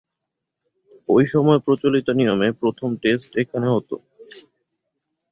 ঐ সময়ে প্রচলিত নিয়মে প্রথম টেস্ট এখানে হতো।